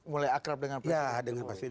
mulai akrab dengan presiden